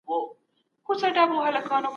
سرچينې بايد ولټول سي.